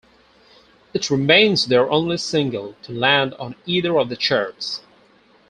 It remains their only single to land on either of the charts.